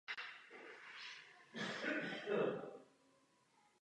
Již od mládí byl nemocen.